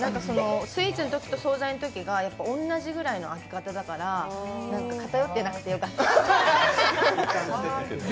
スイーツのときと総菜のときが同じぐらいの開け方だから、偏ってなくてよかった。